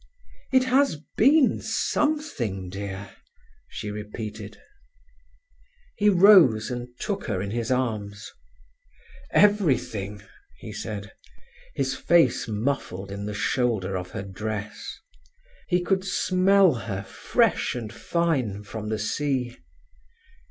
"It has been something, dear," she repeated. He rose and took her in his arms. "Everything," he said, his face muffled in the shoulder of her dress. He could smell her fresh and fine from the sea.